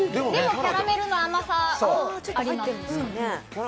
キャラメルの甘さもあります。